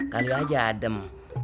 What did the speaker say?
kali aja adem